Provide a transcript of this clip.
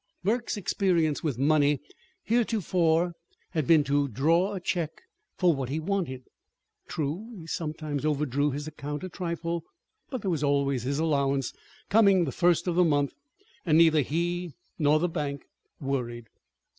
Burke's experience with money heretofore had been to draw a check for what he wanted. True, he sometimes overdrew his account a trifle; but there was always his allowance coming the first of the month; and neither he nor the bank worried.